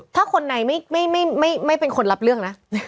ถ้าคนในไม่เป็นคนรับเรื่องนะ